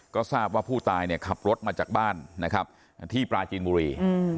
ก็ทราบว่าผู้ตายเนี่ยขับรถมาจากบ้านนะครับที่ปราจีนบุรี